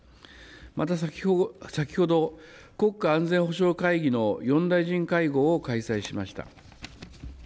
また先ほど、国家安全保障会議の４大臣会合を開催しました。